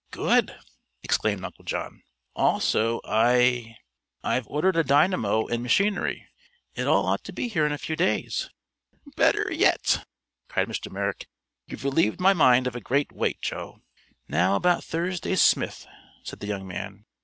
"Good!" exclaimed Uncle John. "Also I I've ordered a dynamo and machinery. It all ought to be here in a few days." "Better yet!" cried Mr. Merrick. "You've relieved my mind of a great weight, Joe." "Now about Thursday Smith," said the young man.